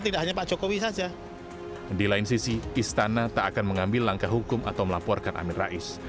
di lain sisi istana tak akan mengambil langkah hukum atau melaporkan amin rais